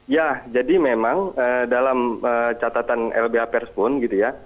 ya jadi memang dalam catatan lbh perspon gitu ya